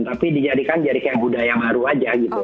tapi dijadikan jadi kayak budaya baru aja gitu